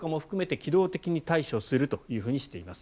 機動的に対処するとしています。